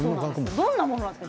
どんなものなんですか？